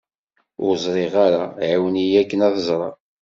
Ur ẓriɣ ara, ɛiwen-iyi akken ad ẓreɣ.